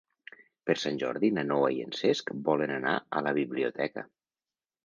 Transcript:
Per Sant Jordi na Noa i en Cesc volen anar a la biblioteca.